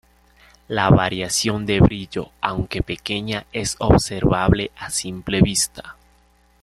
La variación de brillo, aunque pequeña, es observable a simple vista.